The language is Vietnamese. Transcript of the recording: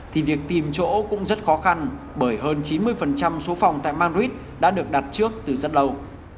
thì việc tìm chỗ cũng rất khó khăn bởi hơn chín mươi số phòng tại madrid đã được đặt trước từ rất lâu